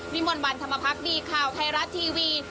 วิมวลวันธรรมพักษณ์ดีข่าวไทยรัฐทีวี